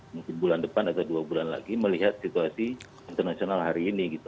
mungkin bulan depan atau dua bulan lagi melihat situasi internasional hari ini gitu